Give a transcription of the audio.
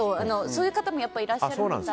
そういう方もいらっしゃるみたいで。